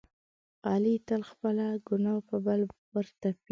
علي تل خپله ګناه په بل ورتپي.